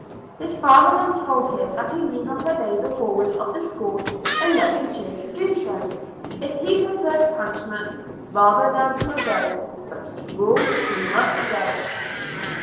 His father then told him that he need not obey the rules of the school unless he chose to do so, if he preferred punish ment, rather them to obey, but to school he must go.